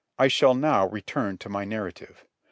I shall now return to my narrative.